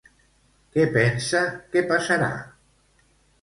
Què pensa què passarà?